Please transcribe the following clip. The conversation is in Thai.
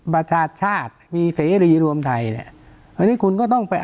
ประชาชาติมีเสรีรวมไทยเนี่ยอันนี้คุณก็ต้องไป